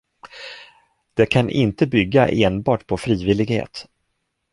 Det kan inte bygga enbart på frivillighet.